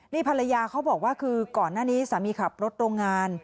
นี่ภรรยาเขาบอกว่าคือก่อนหน้านี้สามีขับรถโรงงาน